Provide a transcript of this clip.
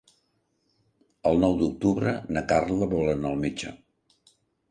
El nou d'octubre na Carla vol anar al metge.